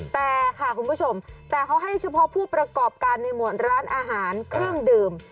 แต่ค่ะคุณผู้ชมแต่เขาให้เฉพาะผู้ประกอบการในหมวดร้านอาหารเครื่องดื่ม